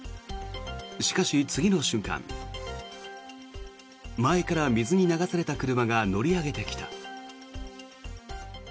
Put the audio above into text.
しかし、次の瞬間前から水に流された車が乗り上げてきた。